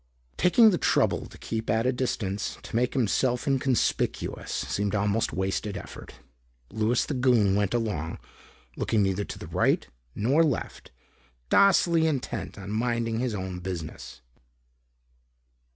Taking the trouble to keep at a distance, to make himself inconspicuous, seemed almost wasted effort. Louis the Goon went along, looking neither to right nor left, docilely intent on minding his own business.